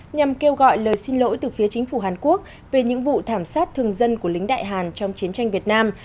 nhằm kêu gọi lời xin lỗi từ phía chính phủ hàn quốc về những vụ thảm sát thường dân của lính đại hàn trong chiến tranh việt nam